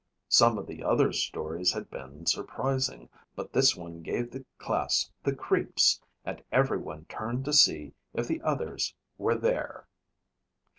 Some of the other stories had been surprising, but this one gave the class the creeps and everyone turned to see if the others were there."